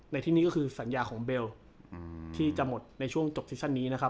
ที่นี่ก็คือสัญญาของเบลที่จะหมดในช่วงจบซีซั่นนี้นะครับ